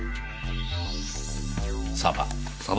サバ。